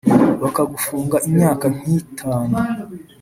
bakagufunga imyaka nki itanu